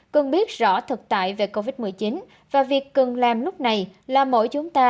cần biết rõ thực tại về covid một mươi chín và việc cần làm lúc này là mỗi chúng ta